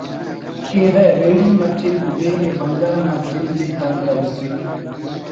کیرہ ریڑی مچے کبین ءِ بند غ نا جندءِ دم دریفک